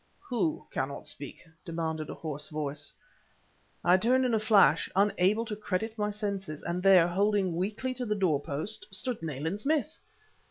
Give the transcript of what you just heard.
..." "Who cannot speak?" demanded a hoarse voice. I turned in a flash, unable to credit my senses and there, holding weakly to the doorpost, stood Nayland Smith!